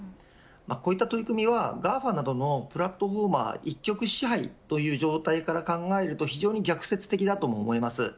こういった取り組みはＧＡＦＡなどのプラットフォーマー、一極支配という状態から考えると非常に逆説的だと思います。